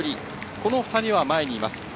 この２人は前にいます。